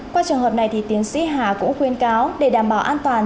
qua trường hợp này thì tiến sĩ hà cũng khuyên cáo để đảm bảo an toàn